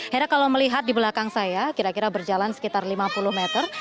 hera kalau melihat di belakang saya kira kira berjalan sekitar lima puluh meter